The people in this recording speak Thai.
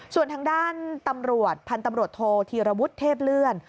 ส่วนทางด้านตำรวจพันธุ์ตำรวจโทษธีรวุฒิเทพเลื่อน